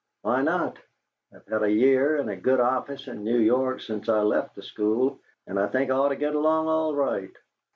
"Why not? I've had a year in a good office in New York since I left the school, and I think I ought to get along all right."